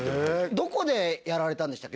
どこでやられたんでしたっけ？